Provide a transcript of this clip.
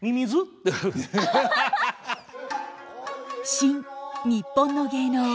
「新・にっぽんの芸能」